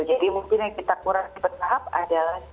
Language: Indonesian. jadi mungkin yang kita kurangi bertahap adalah